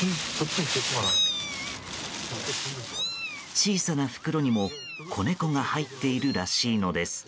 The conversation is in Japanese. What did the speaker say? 小さな袋にも子猫が入っているらしいのです。